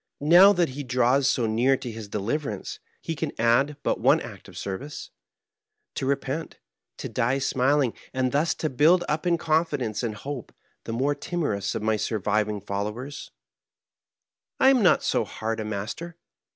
Now that he draws so near to his deliverance, he can add but one act of service — to repent, to die smiling, and thus to build up in con fidence and hope the more timorous of my surviving fol Digitized byVjOOQlC 72 MARKEEIM. lowers. I am not so hard a master.